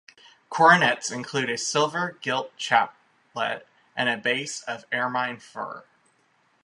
Coronets include a silver gilt chaplet and a base of ermine fur.